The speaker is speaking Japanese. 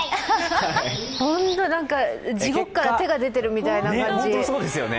なんか、地獄から手が出てるみたいな感じ。